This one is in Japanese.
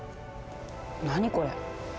何これ？